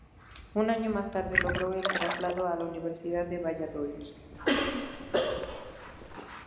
Un año más tarde logró el traslado a la Universidad de Valladolid.